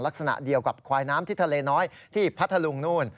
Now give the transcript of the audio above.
ลักษณะเดียวกับควายน้ำที่ทะเลน้อยที่พัทธลุงนู่น